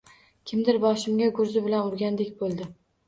Kimdir boshimga gurzi bilan urgandek boʻldi.